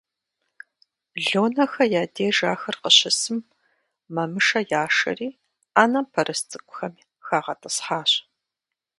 Лонэхэ я деж ахэр къыщысым, Мамышэ яшэри Ӏэнэм пэрыс цӀыкӀухэм хагъэтӀысхьащ.